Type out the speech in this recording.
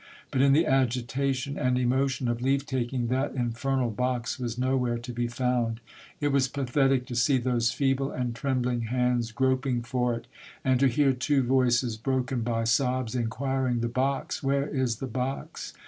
But in the agitation and emotion of leave taking, that infernal box was nowhere to be found ! It was pathetic to see those feeble and trembling hands groping for it, and to hear two voices, broken by sobs, inquiring :*" The box ! Where is the box?"